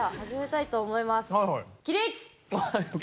起立！